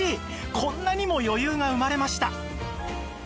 こんなにも余裕が生まれました